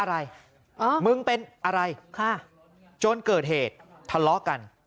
อะไรมึงเป็นอะไรจนเกิดเหตุทะเลาะกัน